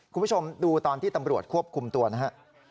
คุณผู้ชมดูตอนที่ตำรวจควบคุมตัวนะฮะ